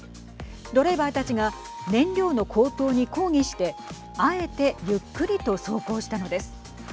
ドライバーたちが燃料の高騰に抗議してあえてゆっくりと走行したのです。